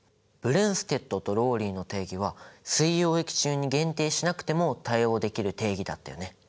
ブレンステッドとローリーの定義は水溶液中に限定しなくても対応できる定義だったよね。